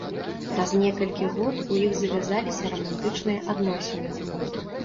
Праз некалькі год у іх завязаліся рамантычныя адносіны.